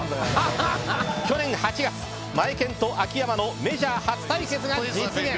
去年８月、マエケンと秋山のメジャー初対決が実現。